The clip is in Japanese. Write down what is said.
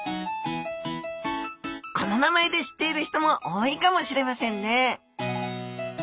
この名前で知っている人も多いかもしれませんね